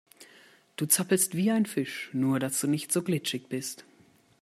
Du zappelst wie ein Fisch, nur dass du nicht so glitschig bist.